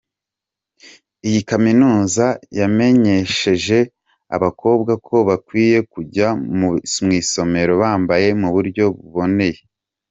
Iyi Kaminuza yamenyesheje abakobwa ko bakwiye kujya mu isomero bambaye mu buryo buboneye.